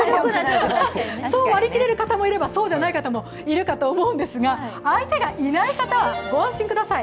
そう割り切れる方もいればそうじゃない方もいると思いますが相手がいない方はご安心ください。